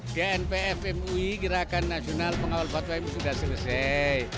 dnpf mui gerakan nasional pengawal fatwaimu sudah selesai